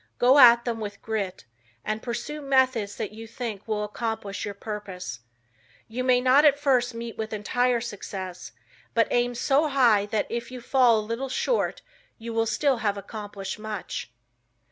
Go at them with grit, and pursue methods that you think will accomplish your purpose. You may not at first meet with entire success, but aim so high that if you fall a little short you will still have accomplished much.